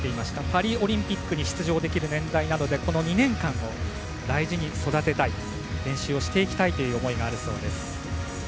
パリオリンピックに出場できる年代なのでこの２年間を大事に育てたい練習をしていきたい思いがあるそうです。